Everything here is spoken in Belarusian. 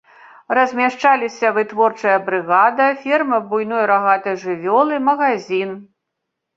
Размяшчаліся вытворчая брыгада, ферма буйной рагатай жывёлы, магазін.